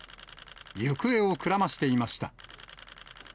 行方をくらましていました。